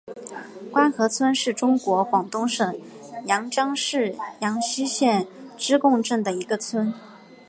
官河村是中国广东省阳江市阳西县织贡镇的一个村。